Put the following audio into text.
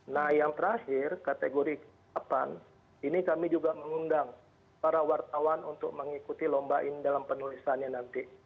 nah yang terakhir kategori kapan ini kami juga mengundang para wartawan untuk mengikuti lomba ini dalam penulisannya nanti